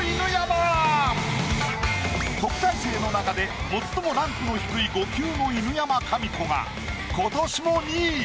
特待生の中で最もランクの低い５級の犬山紙子が今年も２位。